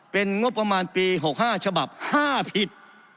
เป็นงบประมาณปี๖๕ฉบับ๕ผิด